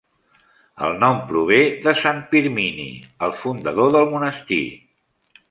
El nom prové de Sant Pirmini, el fundador del monestir.